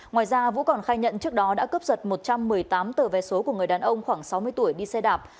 ngoài ra vũ còn khai nhận trước đó đã cướp giật một trăm một mươi tám tờ vé số của người đàn ông khoảng sáu mươi tuổi đi xe đạp